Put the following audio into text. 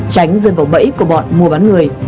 tránh dân vọng bẫy của bọn mua bán người